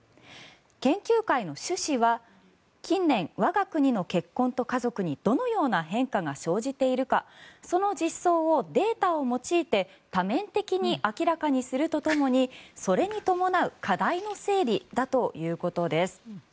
研究会の趣旨は近年、我が国の結婚と家族にどのような変化が生じているかその実相をデータを用いて多面的に明らかにするとともにそれに伴う課題の整理だということです。